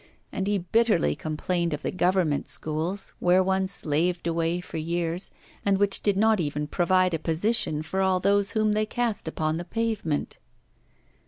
And he bitterly complained of the Government schools, where one slaved away for years, and which did not even provide a position for all those whom they cast upon the pavement.